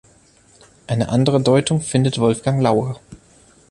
Eine andere Deutung findet Wolfgang Laur.